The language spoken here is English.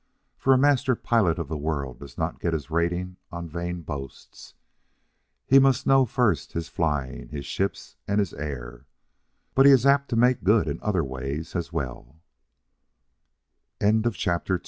For a Mister Pilot of the World does not get his rating on vain boasts. He must know first his flying, his ships and his air but he is apt to make good in other ways